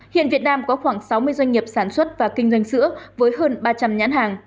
hiện việt nam có khoảng sáu mươi doanh nghiệp sản xuất và kinh doanh sữa với hơn ba trăm linh nhãn hàng